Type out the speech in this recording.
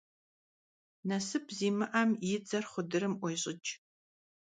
Nasıp zimı'em yi dzer xhudırım 'uêş'ıç'.